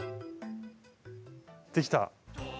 できた？